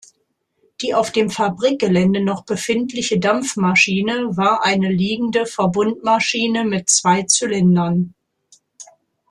Die auf dem Fabrikgelände noch befindliche Dampfmaschine war eine liegende Verbund-Maschine mit zwei Zylindern.